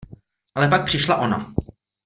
Ale pak přišla ona!